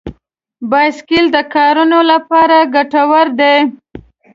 بایسکل د کارونو لپاره ګټور دی.